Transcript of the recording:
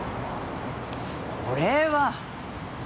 それは。